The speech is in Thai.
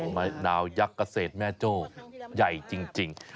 มะนาวยักษ์เกษตรแม่โจ้ใหญ่จริง